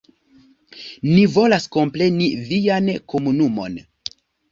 Ni volas kompreni vian komunumon.